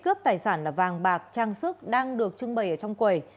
cướp tài sản là vàng bạc trang sức đang được trưng bày ở trong quầy